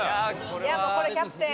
やっぱこれキャプテン。